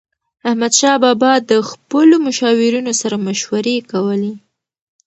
احمدشاه بابا به د خپلو مشاورینو سره مشورې کولي.